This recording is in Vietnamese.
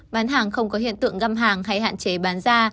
bán hàng không có hiện tượng găm hàng hay hạn chế bán ra